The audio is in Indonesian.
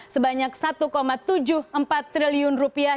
sebanyak satu tujuh puluh empat triliun rupiah